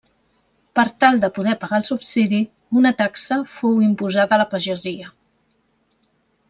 Per tal de poder pagar el subsidi, una taxa fou imposada a la pagesia.